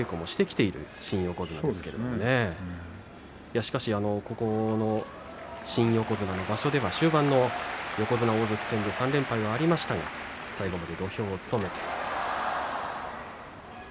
しかし新横綱の場所では終盤の横綱大関戦で３連敗はありましたが最後まで土俵を務めましたね。